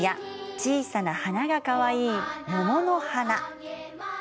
小さな花がかわいい桃の花。